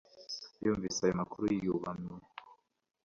Yumvise ayo makuru yubamye